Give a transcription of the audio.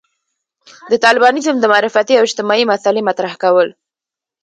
د طالبانيزم د معرفتي او اجتماعي مسألې مطرح کول.